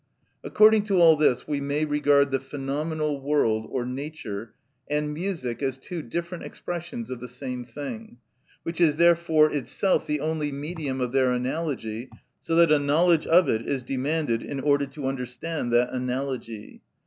According to all this, we may regard the phenomenal world, or nature, and music as two different expressions of the same thing, which is therefore itself the only medium of their analogy, so that a knowledge of it is demanded in order to understand that analogy.